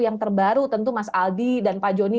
yang terbaru tentu mas aldi dan pak joni